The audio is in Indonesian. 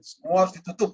semua harus ditutup